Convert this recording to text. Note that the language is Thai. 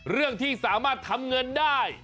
เรื่องที่สามารถทำเงินได้